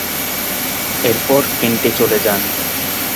এরপর কেন্টে চলে যান।